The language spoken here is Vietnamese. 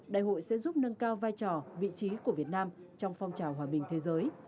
đại hội sẽ giúp nâng cao vai trò vị trí của việt nam trong phong trào hòa bình thế giới